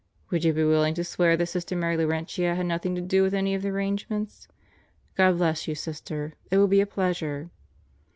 Would you be willing to swear that Sister Mary Laurentia had nothing to do with any of the arrange ments? God bless you, Sister. It will be a pleasure."